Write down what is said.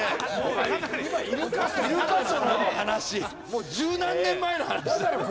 もう十何年前の話だろ。